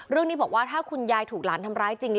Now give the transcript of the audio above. เรื่องนี้บอกว่าถ้าคุณยายถูกหลานทำร้ายจริง